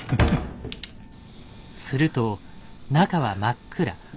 すると中は真っ暗。